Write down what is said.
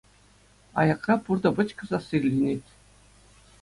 Аякра пуртӑ-пӑчкӑ сасси илтӗнет.